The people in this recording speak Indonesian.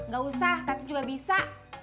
gak usah tapi juga bisa